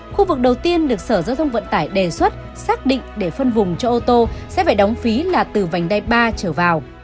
khu vực đầu tiên được sở giao thông vận tải đề xuất xác định để phân vùng cho ô tô sẽ phải đóng phí là từ vành đai ba trở vào